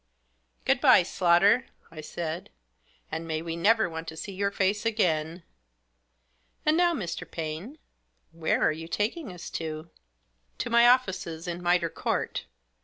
" Good bye, Slaughter !" I said. " And may we never want to see your face again. And now, Mr. Paine, where are you taking us to ?"" To my offices in Mitre Court.